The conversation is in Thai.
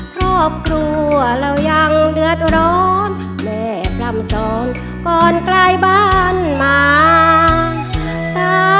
ครอบครัวเรายังเดือดร้อนแม่พร่ำสอนก่อนใกล้บ้านมา